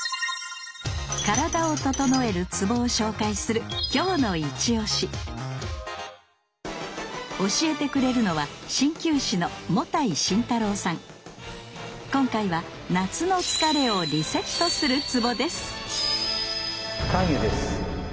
体をととのえるツボを紹介する教えてくれるのは鍼灸師の今回は夏の疲れをリセットするツボです